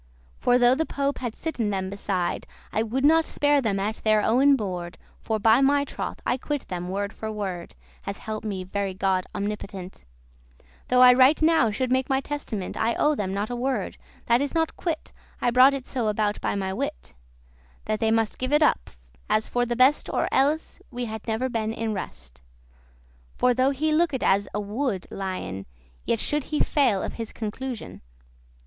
For, though the Pope had sitten them beside, I would not spare them at their owen board, For, by my troth, I quit* them word for word *repaid As help me very God omnipotent, Though I right now should make my testament I owe them not a word, that is not quit* *repaid I brought it so aboute by my wit, That they must give it up, as for the best Or elles had we never been in rest. For, though he looked as a wood* lion, *furious Yet should he fail of his conclusion.